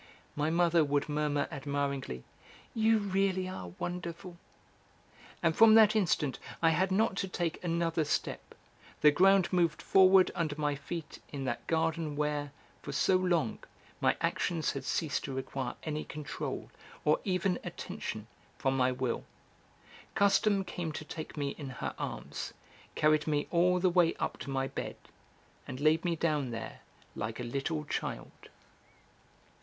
My mother would murmur admiringly "You really are wonderful!" And from that instant I had not to take another step; the ground moved forward under my feet in that garden where, for so long, my actions had ceased to require any control, or even attention, from my will. Custom came to take me in her arms, carried me all the way up to my bed, and laid me down there like a little child.